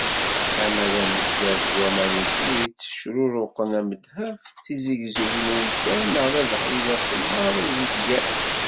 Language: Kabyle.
Ama d amezzer s waman-is i itteccruruqen am ddheb, tizegzewt n umkan, neɣ d abeḥri-s aṣemmaḍ azedgan.